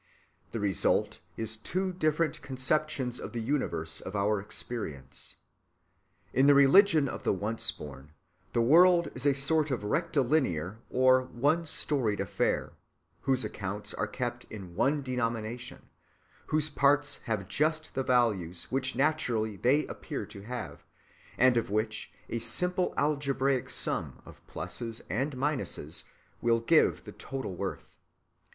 The result is two different conceptions of the universe of our experience. In the religion of the once‐born the world is a sort of rectilinear or one‐storied affair, whose accounts are kept in one denomination, whose parts have just the values which naturally they appear to have, and of which a simple algebraic sum of pluses and minuses will give the total worth.